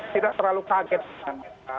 tidak terlalu kaget dengan